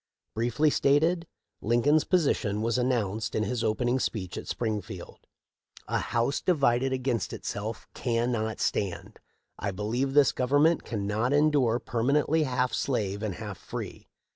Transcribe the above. Briefly stated, Lincoln's position was announced in his opening speech at Springfield :" <A house divided against itself cannot stand. 1 believe this Government cannot endure perma nently half slave and half free.